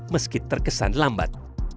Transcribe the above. meski terkesan lambat